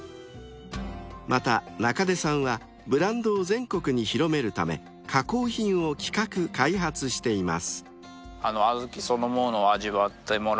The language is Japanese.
［また中出さんはブランドを全国に広めるため加工品を企画開発しています］